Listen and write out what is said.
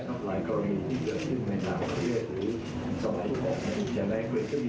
สมัยของอินเทียมแรงเวิร์ดก็มีบ่อยเลยนะครับ